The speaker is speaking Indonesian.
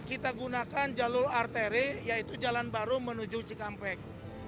kita gunakan jalur arteri yaitu jalan baru menuju cikampek